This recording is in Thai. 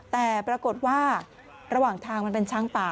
แต่ปรากฏว่าระหว่างทางมันเป็นช้างป่า